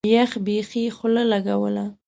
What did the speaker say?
يخ بيخي خوله لګوله.